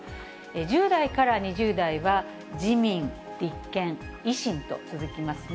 １０代から２０代は自民、立憲、維新と続きますね。